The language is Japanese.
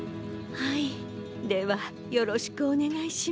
はいではよろしくおねがいします。